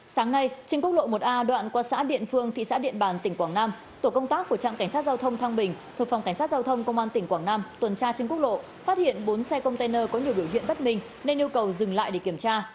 sáng nay trên quốc lộ một a đoạn qua xã điện phương thị xã điện bàn tỉnh quảng nam tổ công tác của trạm cảnh sát giao thông thăng bình thuộc phòng cảnh sát giao thông công an tỉnh quảng nam tuần tra trên quốc lộ phát hiện bốn xe container có nhiều biểu hiện bất minh nên yêu cầu dừng lại để kiểm tra